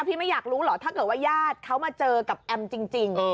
ไม่อยากรู้เหรอถ้าเกิดว่าญาติเขามาเจอกับแอมจริง